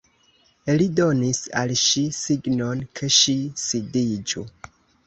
Li donis al ŝi signon, ke ŝi sidiĝu.